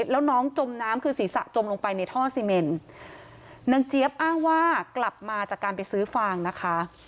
แล้วน้องจมน้ำคือศีรษะจมลงไปในท่อซีเมนนางเจี๊ยบอ้างว่ากลับมาจากการไปซื้อฟางนะคะ